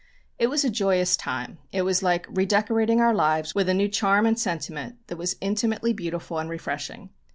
It was a joyous time, it was like redecorating our lives with a new charm and sentiment that was intimately beautiful and refreshing.